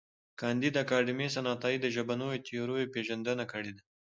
کانديد اکاډميسن عطایي د ژبنیو تیورۍ پېژندنه کړې ده.